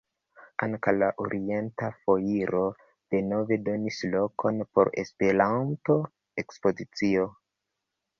Ankaŭ la "Orienta Foiro" denove donis lokon por Espernto-ekspozicio.